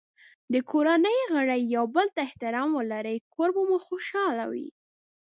که کورنۍ غړي یو بل ته احترام ولري، کور به خوشحال وي.